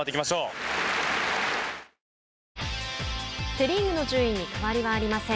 セ・リーグの順位に変わりはありません。